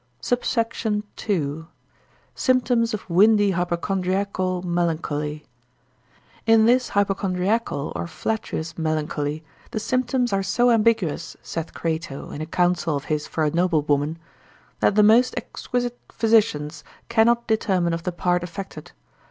SUBSECT. II.—Symptoms of windy Hypochondriacal Melancholy. In this hypochondriacal or flatuous melancholy, the symptoms are so ambiguous, saith Crato in a counsel of his for a noblewoman, that the most exquisite physicians cannot determine of the part affected.